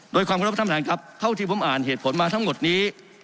โดยความขอรบท่านประธานครับเท่าที่ผมอ่านเหตุผลมาทั้งหมดนี้